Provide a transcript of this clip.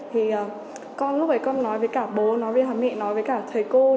thì con lúc ấy con nói với cả bố nói với mẹ nói với cả thầy cô